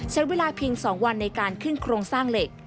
ใช้เวลาเพียง๒วันในการขึ้นโครงสร้างเหล็ก